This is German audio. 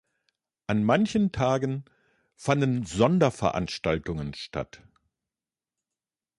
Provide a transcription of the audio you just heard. An manchen Tagen fanden Sonderveranstaltungen statt.